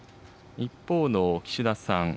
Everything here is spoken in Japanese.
一方の岸田さん。